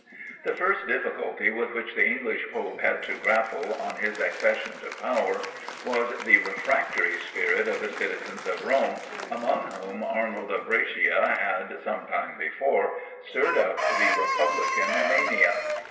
The first difficulty with which the English pope had to grapple, on his accession to power, was the refractory spirit of the citizens of Rome, among whom Arnold of Brescia had, some time before, stirred up the republican mania.